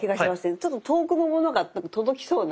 ちょっと遠くのものが届きそうな。